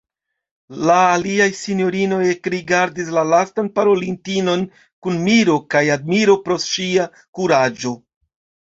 La aliaj sinjorinoj ekrigardis la lastan parolintinon kun miro kaj admiro pro ŝia kuraĝo.